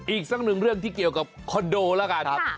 อีกสักหนึ่งเรื่องที่เกี่ยวกับคอนโดแล้วกัน